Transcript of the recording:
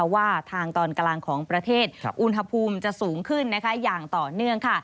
ว่าทางตอนกลางของประเทศอุณหภูมิจะสูงขึ้นอย่างต่อเนื่อง